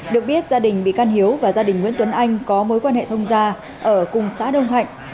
được biết gia đình bị can hiếu và gia đình nguyễn tuấn anh có mối quan hệ thông gia ở cùng xã đông thạnh